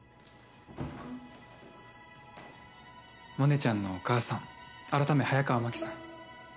萌音ちゃんのお母さん改め早川麻希さん。